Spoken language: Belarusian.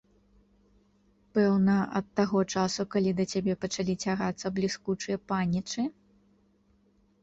Пэўна, ад таго часу, калі да цябе пачалі цягацца бліскучыя панічы?